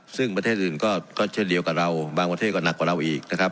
ซึ่งประเทศอื่นก็เช่นเดียวกับเราบางประเทศก็หนักกว่าเราอีกนะครับ